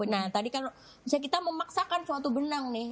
nah tadi kalau misalnya kita memaksakan suatu benang nih